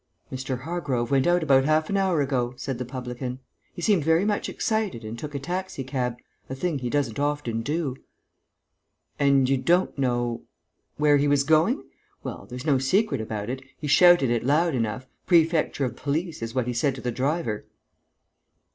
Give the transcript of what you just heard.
"Mr. Hargrove went out about half an hour ago," said the publican. "He seemed very much excited and took a taxi cab, a thing he doesn't often do." "And you don't know...." "Where he was going? Well, there's no secret about it He shouted it loud enough! 'Prefecture of Police' is what he said to the driver...."